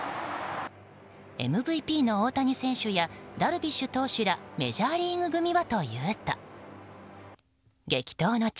ＭＶＰの大谷選手やダルビッシュ投手らメジャーリーグ組はというと激闘の地